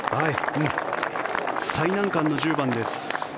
最難関の１０番です。